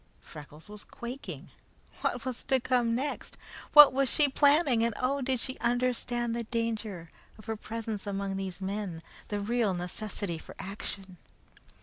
Freckles was quaking. What was to come next? What was she planning, and oh! did she understand the danger of her presence among those men; the real necessity for action?